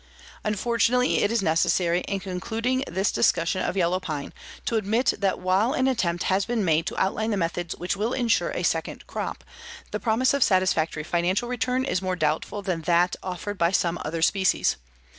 Unfortunately, it is necessary, in concluding this discussion of yellow pine, to admit that while an attempt has been made to outline the methods which will insure a second crop, the promise of satisfactory financial return is more doubtful than that offered by some other species.